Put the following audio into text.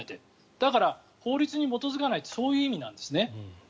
だから、法律に基づかないってそういう意味なんですね。